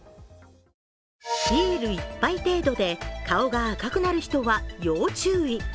ビール１杯程度で顔が赤くなる人は要注意。